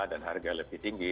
dan harga lebih tinggi